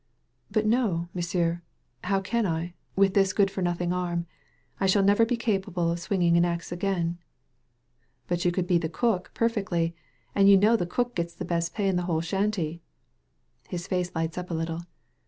"But no, M'sieu', how can I, with this good for nothing arm? I shall never be capable of swinging the axe again/' "But you could be the cook, perfectly. And you know the cook gets the best pay in the whole shanty." His face lights up a little.